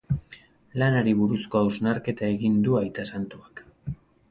Lanari buruzko hausnarketa egin du aita santuak.